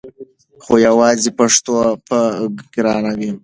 خو یواځې پښتو به ګرانه وي!